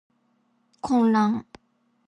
混乱